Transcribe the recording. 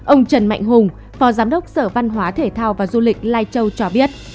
ông trần mạnh hùng phó giám đốc sở văn hóa thể thao và du lịch lai châu cho biết